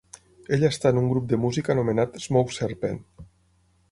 Ell està en un grup de música anomenat "Smoke Serpent".